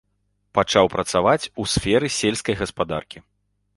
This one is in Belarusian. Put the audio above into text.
Пачаў працаваць у сферы сельскай гаспадаркі.